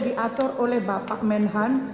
diatur oleh bapak menhan